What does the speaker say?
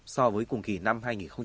so với cùng kỳ năm hai nghìn một mươi tám